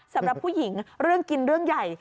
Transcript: สำหรับผู้หญิงเรื่องกินเรื่องใหญ่